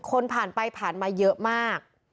คนผ่านไปผ่านมาเยอะมาก